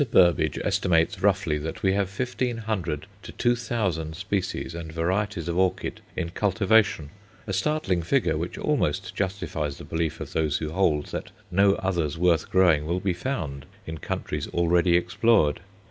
Burbidge estimates roughly that we have fifteen hundred to two thousand species and varieties of orchid in cultivation; a startling figure, which almost justifies the belief of those who hold that no others worth growing will be found in countries already explored.